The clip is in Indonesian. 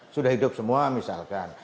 sudah hidup semua misalkan